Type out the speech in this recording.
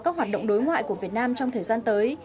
các hoạt động đối ngoại của việt nam trong thời gian tới